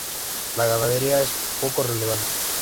La ganadería es poco relevante.